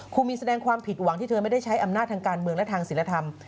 คงมีแสดงความผิดหวังที่เธอไม่ได้ใช้อำนาจทางการเมืองและทางศิลธรรม